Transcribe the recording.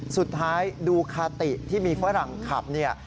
สุดท้ายดูคาติที่มีฝรั่งขับเนี่ย